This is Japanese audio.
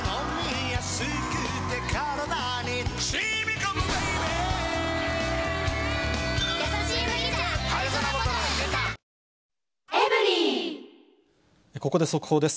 ここで速報です。